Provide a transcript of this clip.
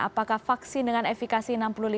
apakah vaksin dengan efekasi